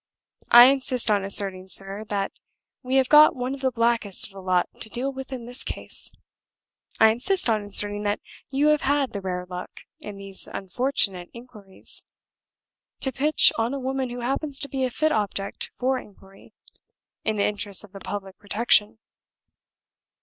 I insist on asserting, sir, that we have got one of the blackest of the lot to deal with in this case. I insist on asserting that you have had the rare luck, in these unfortunate inquiries, to pitch on a woman who happens to be a fit object for inquiry, in the interests of the public protection.